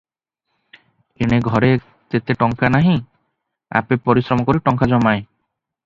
ଏଣେ ଘରେ ତେତେ ଟଙ୍କା ନାହିଁ, ଆପେ ପରିଶ୍ରମ କରି ଟଙ୍କା ଜମାଏ ।